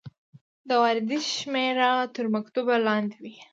د واردې شمیره تر مکتوب لاندې وي.